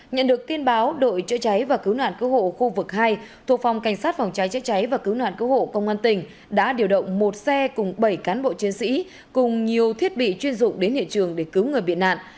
nhận được tin báo đội chữa cháy và cứu nạn cứu hộ khu vực hai thuộc phòng cảnh sát phòng cháy chữa cháy và cứu nạn cứu hộ công an tỉnh đã điều động một xe cùng bảy cán bộ chiến sĩ cùng nhiều thiết bị chuyên dụng đến hiện trường để cứu người bị nạn